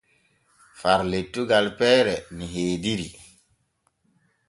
Far lettugal peyre ni heediri.